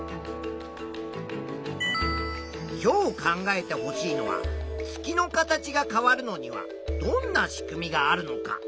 今日考えてほしいのは月の形が変わるのにはどんなしくみがあるのか。